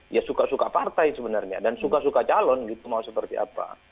ya suka suka partai sebenarnya dan suka suka calon gitu mau seperti apa